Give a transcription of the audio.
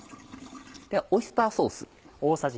オイスターソース。